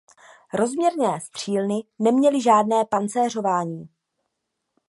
Rozměrné střílny neměly žádné pancéřování.